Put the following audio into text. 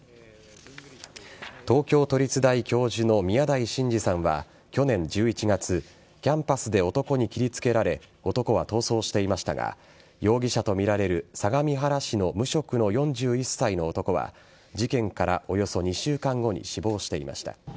東京都立大教授の宮台真司さんは去年１１月キャンパスで男に切りつけられ男は逃走していましたが容疑者とみられる相模原市の無職の４１歳の男は事件からおよそ２週間後に死亡していました。